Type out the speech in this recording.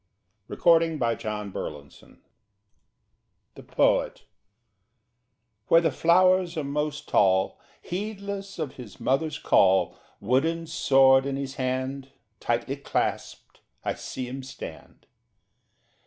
From the French of Baudelaire The Poet Where the flowers are most tall, Heedless of his mother's call, Wooden sword in his hand Tightly clasped, I see him stand.